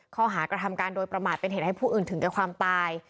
ข้อหากระทำการโดยประมาทเป็นเหตุให้ผู้อื่นถึงแก่ความตาย